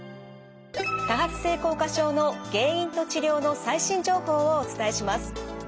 多発性硬化症の原因と治療の最新情報をお伝えします。